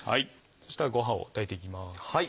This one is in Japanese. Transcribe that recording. そしたらごはんを炊いていきます。